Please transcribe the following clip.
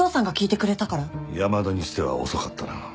山田にしては遅かったな。